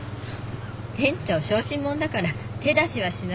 店長小心者だから手出しはしないよ。